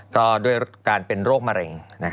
ก็ด้วยการเป็นโรคมะเร็ง